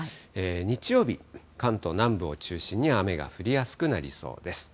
日曜日、関東南部を中心に雨が降りやすくなりそうです。